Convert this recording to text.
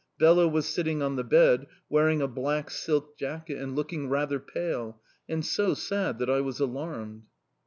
Bela was sitting on the bed, wearing a black silk jacket, and looking rather pale and so sad that I was alarmed.